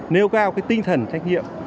nêu cao cái tinh thần trách nhiệm